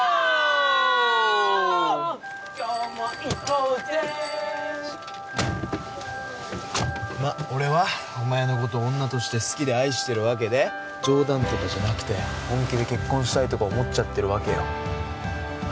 今日も行こうぜまっ俺はお前のこと女として好きで愛してるわけで冗談とかじゃなくて本気で結婚したいとか思っちゃってるわけよ